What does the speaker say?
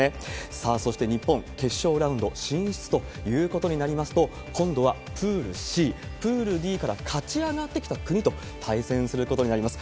さあ、そして日本、決勝ラウンド進出ということになりますと、今度はプールＣ、プールＤから勝ち上がってきた国と対戦することになります。